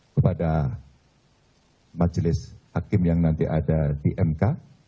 kepada majelis hakim yang nanti ada di mk